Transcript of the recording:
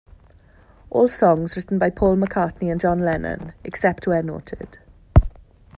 All songs written by Paul McCartney and John Lennon, except where noted.